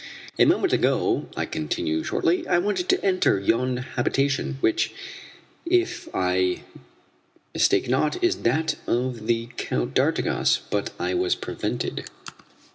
"A moment ago," I continue shortly, "I wanted to enter yon habitation, which, if I mistake not, is that of the Count d'Artigas, but I was prevented."